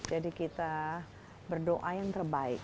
jadi kita berdoa yang terbaik